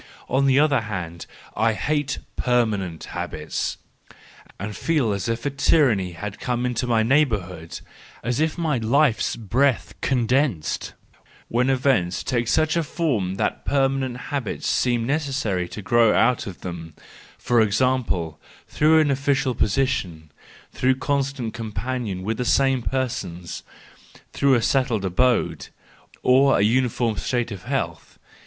—On the other hand, I hate permanent habits, and feel as if a tyrant came into my neighbourhood, and as if my life's breath condensed , when events take such a form that per¬ manent habits seem necessarily to grow out of them: for example, through an official position, through constant companionship with the same persons, through a settled abode, or through a uniform state of health.